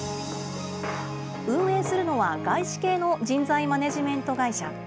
運営するのは、外資系の人材マネジメント会社。